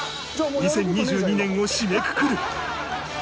２０２２年を締めくくる